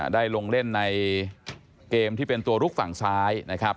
ได้ลงเล่นในเกมที่เป็นตัวลุกฝั่งซ้ายนะครับ